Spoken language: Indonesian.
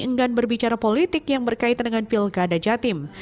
enggan berbicara politik yang berkaitan dengan pilkada jatim